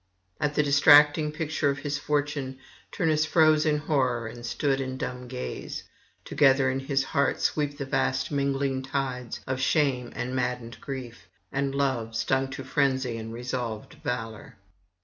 At the distracting picture of his fortune Turnus froze in horror and stood in dumb gaze; together in his heart sweep the vast mingling tides of shame and maddened grief, and love stung to frenzy and resolved valour.